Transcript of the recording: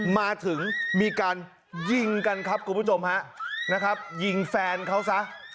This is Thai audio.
มาถึงมีการยิงกันครับคุณผู้ชมฮะนะครับยิงแฟนเขาซะ